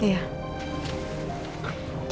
kita udah sampai bu